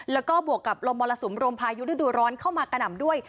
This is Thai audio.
แล้วก็บวกกับลมมรสุมรมพายุฤดูร้อนเข้ามากระหน่ำด้วย